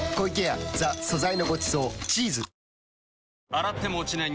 洗っても落ちない